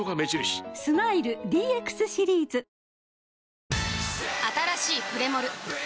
スマイル ＤＸ シリーズ！あたらしいプレモル！